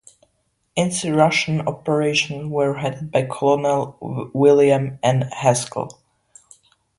Its Russian operations were headed by Colonel William N. Haskell.